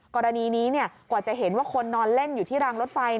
กรณีนี้กว่าจะเห็นว่าคนนอนเล่นอยู่ที่รางรถไฟ